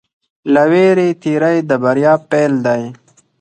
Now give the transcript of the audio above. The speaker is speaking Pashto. له وېرې تېری د بریا پيل دی.